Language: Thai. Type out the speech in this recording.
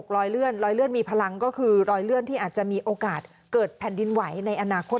รอยเลื่อนรอยเลื่อนมีพลังก็คือรอยเลื่อนที่อาจจะมีโอกาสเกิดแผ่นดินไหวในอนาคต